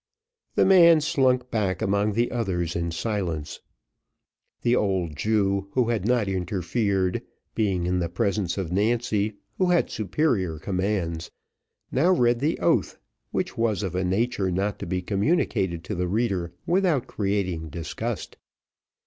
The man slunk back among the others in silence. The old Jew, who had not interfered, being in presence of Nancy, who had superior commands, now read the oath, which was of a nature not to be communicated to the reader without creating disgust.